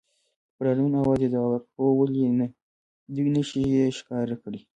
په ډاډمن اواز یې ځواب ورکړ، هو ولې نه، دوې نښې یې ښکاره کړې.